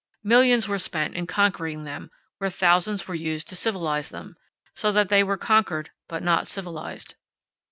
Millions were spent in conquering them where thousands were used to civilize them, so that they were conquered but not civilized.